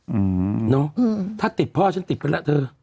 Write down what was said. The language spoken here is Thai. อืมเนอะถ้าติดพ่อฉันติดไปแล้วเธอ